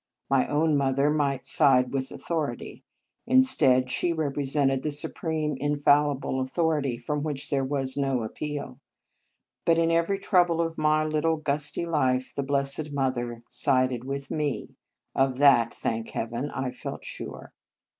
My own mother might side with authority. Indeed, she represented the supreme, infallible authority, from which there was no ap peal. But in every trouble of my poor little gusty life, the Blessed Mother sided with me. Of that, thank Hea ven! I felt sure.